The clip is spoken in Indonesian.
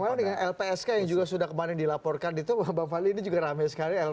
bagaimana dengan lpsk yang juga sudah kemarin dilaporkan di tum bang fadli ini juga ramai sekali